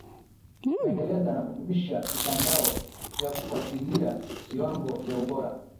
kuendeleza na kudumisha mitandao ya kufuatilia viwango vya ubora